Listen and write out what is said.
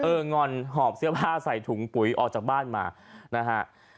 งอนหอบเสื้อผ้าใส่ถุงปุ๋ยออกจากบ้านมานะฮะ